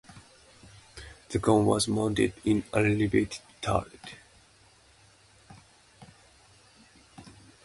The gun was mounted in a riveted turret.